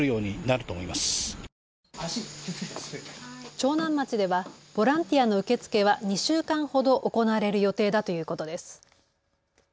長南町ではボランティアの受け付けは２週間ほど行われる予定だということです。